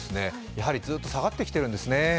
やはりずっと下がってきているんですね。